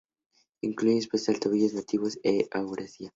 Incluye especies de Topillos nativos de Eurasia.